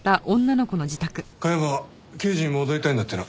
加山は刑事に戻りたいんだってな。